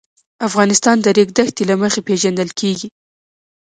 افغانستان د د ریګ دښتې له مخې پېژندل کېږي.